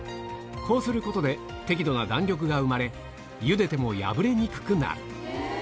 こうすることで、適度な弾力が生まれ、ゆでても破れにくくなる。